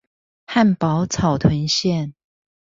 漢寶草屯線